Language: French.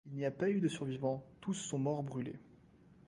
Il n’y a pas eu de survivants, tous sont morts brûlés.